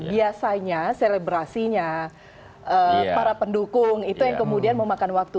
biasanya selebrasinya para pendukung itu yang kemudian memakan waktu